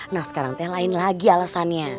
nah sekarang telahin lagi alasannya